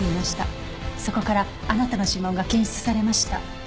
そこからあなたの指紋が検出されました。